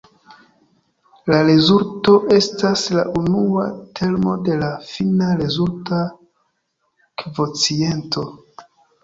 La rezulto estas la unua termo de la fina rezulta kvociento.